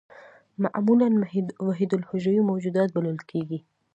معمولاً وحیدالحجروي موجودات بلل کېږي.